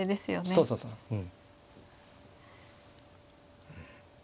そうそうそううん。